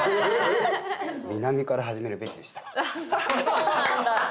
あっそうなんだ。